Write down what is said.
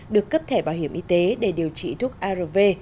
được cấp thẻ bảo hiểm y tế để điều trị thuốc arv